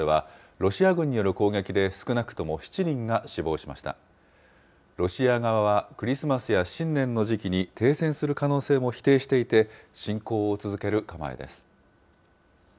ロシア側はクリスマスや新年の時期に停戦する可能性も否定していて、侵攻を続ける構えです。